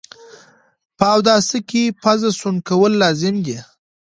په اوداسه کي پوزه سوڼ کول لازم ده